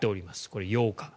これが８日。